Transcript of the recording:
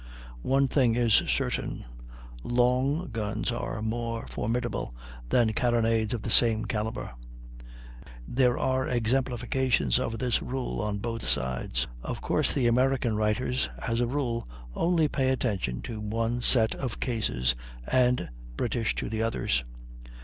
One thing is certain; long guns are more formidable than carronades of the same calibre. There are exemplifications of this rule on both sides; of course, American writers, as a rule, only pay attention to one set of cases, and British to the others.